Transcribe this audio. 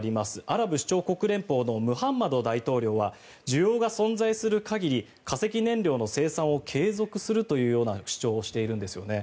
アラブ首長国連邦のムハンマド大統領は需要が存在する限り化石燃料の生産を継続するというような主張をしているんですよね。